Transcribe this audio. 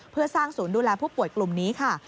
เพื่อสร้างศูนย์ดูแลผู้ป่วยกลุ่มนี้ค่ะ